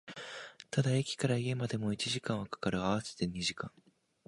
ただ、駅から家までも一時間は掛かる、合わせて二時間